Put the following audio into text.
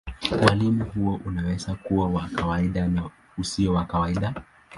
Ualimu huo unaweza kuwa wa kawaida na usio wa kawaida.